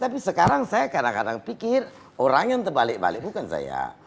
tapi sekarang saya kadang kadang pikir orang yang terbalik balik bukan saya